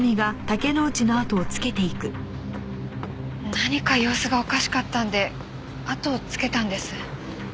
何か様子がおかしかったのであとをつけたんです。